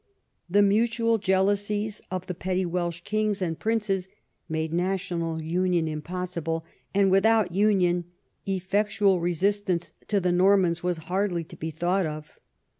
The mutual jealousies of the petty Welsh kings and princes made national union impossible, and without union effectual resistance to the Normans was hardly to be thought of.